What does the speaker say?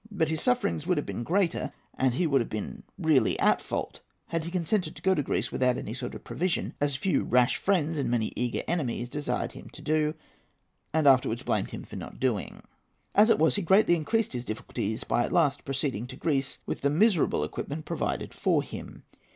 But his sufferings would have been greater, and he would have been really at fault, had he consented to go to Greece without any sort of provision, as a few rash friends and many eager enemies desired him to do, and afterwards blamed him for not doing. As it was, he greatly increased his difficulties by at last proceeding to Greece with the miserable equipment provided for him.